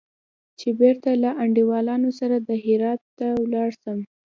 چې بېرته له انډيوالانو سره دهراوت ته ولاړ سم.